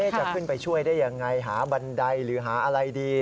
จะขึ้นไปช่วยได้ยังไงหาบันไดหรือหาอะไรดี